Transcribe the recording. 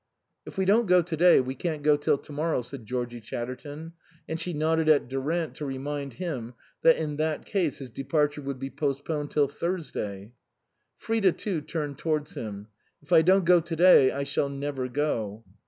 "If we don't go to day, we can't go till to morrow," said Georgie Chatterton, and she nodded at Durant to remind him that in that case his departure would be postponed till Thursday. Frida too turned towards him. " If I don't go to day, I shall never go."